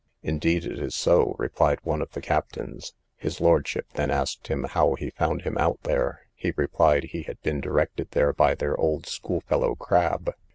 Indeed it is so, replied one of the captains. His lordship then asked him how he found him out there. He replied, he had been directed there by their old school fellow, Crab.